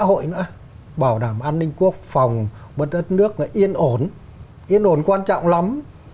xã hội nữa bảo đảm an ninh quốc phòng một đất nước yên ổn yên ổn quan trọng lắm